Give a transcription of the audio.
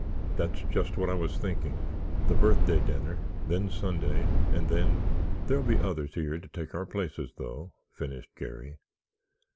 "That's just what I was thinking. The birthday dinner, then Sunday and then——" "There'll be others here to take our places though," finished Garry.